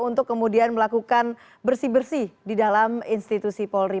untuk kemudian melakukan bersih bersih di dalam institusi polri